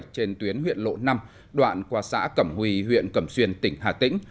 trên tuyến huyện lộ năm đoạn qua xã cẩm huy huyện cẩm xuyên tỉnh hà tĩnh